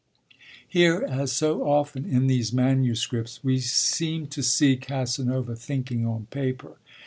Here, as so often in these manuscripts, we seem to see Casanova thinking on paper.